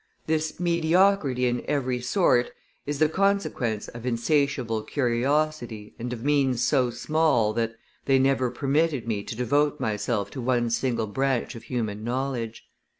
This mediocrity in every sort is the consequence of insatiable curiosity and of means so small, that they never permitted me to devote myself to one single branch of human knowledge.